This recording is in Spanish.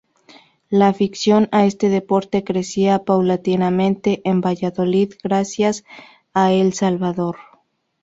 La afición a este deporte crecía paulatinamente en Valladolid gracias a El Salvador.